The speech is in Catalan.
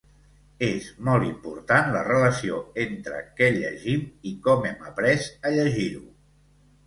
És molt important la relació entre què llegim i com hem après a llegir-ho.